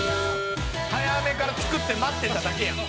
「早めから作って待ってただけやん」